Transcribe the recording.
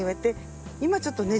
今ちょっとね